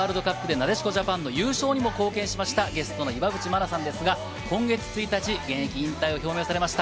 なでしこジャパンの優勝にも貢献したゲストの岩渕真奈さん、今月１日、現役引退を表明されました。